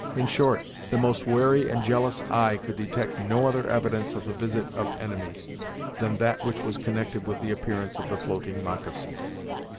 In short, the most wary and jealous eye could detect no other evidence of the visit of enemies, than that which was connected with the appearance of the floating moccasin.